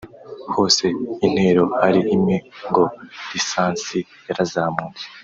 hose intero ari imwe ngo “lisansi yarazamutse”